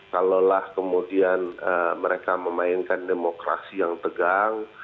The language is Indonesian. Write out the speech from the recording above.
kalaulah kemudian mereka memainkan demokrasi yang tegang